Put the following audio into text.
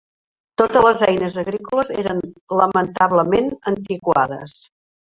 Totes les eines agrícoles eren lamentablement antiquades